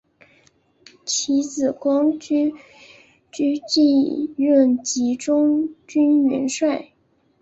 其子先且居继任晋中军元帅。